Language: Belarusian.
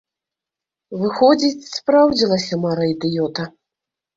Выходзіць, спраўдзілася мара ідыёта?